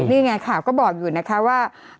นี่ไงข่าวก็บอกอยู่นะคะว่า